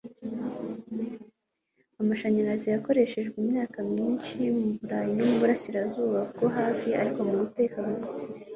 Amashanyarazi yakoreshejwe imyaka myinshi muburayi no muburasirazuba bwo hafi ariko muguteka gusa